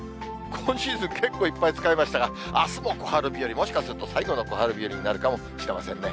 今シーズン、結構いっぱい使いましたが、あすも小春日和、もしかすると、最後の小春日和になるかもしれませんね。